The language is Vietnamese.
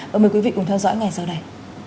và mời quý vị cùng theo dõi ngày sau này